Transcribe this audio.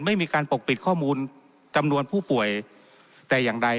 ไม่มีการปกปิดข้อมูลจำนวนผู้ป่วยแต่อย่างใด